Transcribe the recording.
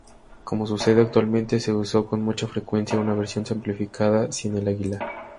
Como sucede actualmente se usó con mucha frecuencia una versión simplificada sin el águila.